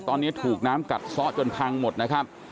ฐุกน้ำกัดซ็อต์จนพังหมดนะครับ